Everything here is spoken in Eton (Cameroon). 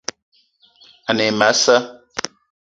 Ane e ma a sa'a